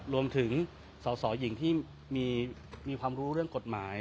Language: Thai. รวมถึงสสหญิงที่มีความรู้เรื่องกฎหมาย